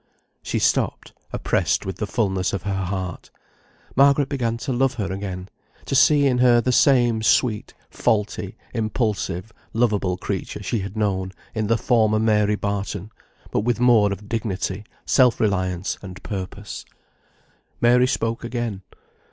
She stopped, oppressed with the fulness of her heart. Margaret began to love her again; to see in her the same sweet, faulty, impulsive, lovable creature she had known in the former Mary Barton, but with more of dignity, self reliance, and purpose. Mary spoke again.